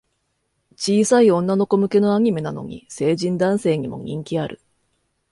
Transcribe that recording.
小さい女の子向けのアニメなのに、成人男性にも人気ある